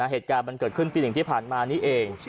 เหตุการณ์มันเกิดขึ้นตี๑ที่ผ่านมานี้เอง